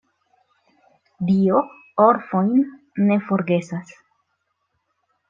Dio orfojn ne forgesas.